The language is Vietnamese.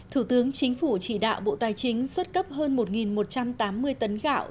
thủ tướng chính phủ chỉ đạo bộ tài chính xuất cấp hơn một một trăm tám mươi tấn gạo